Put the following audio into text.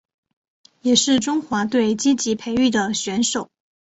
也是中华队积极培育的选手。